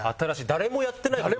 誰もやってない。